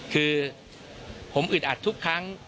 คือผมอึดอัดทุกครั้ง